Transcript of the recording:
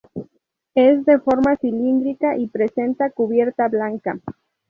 Es de forma cilíndrica y presenta cubierta blanca.